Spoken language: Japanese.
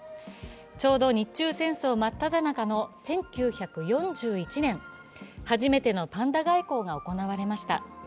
ちょうど日中戦争真っただ中の１９４１年、初めてのパンダ外交が行われました。